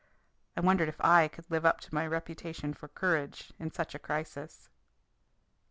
I wondered if I could live up to my reputation for courage in such a crisis.